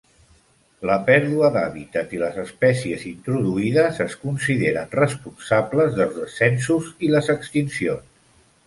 La pèrdua d'hàbitat i les espècies introduïdes es consideren responsables dels descensos i les extincions.